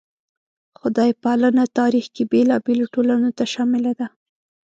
خدای پالنه تاریخ کې بېلابېلو ټولنو ته شامله ده.